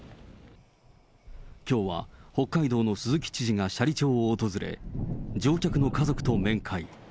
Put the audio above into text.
きょうは北海道の鈴木知事が斜里町を訪れ、乗客の家族と面会。